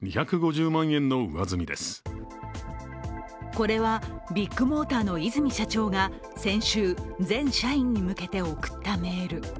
これはビッグモーターの和泉社長が先週、全社員に向けて送ったメール。